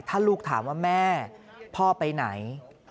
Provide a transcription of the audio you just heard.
ถ้าลูกถามว่าแม่พ่อไปไหน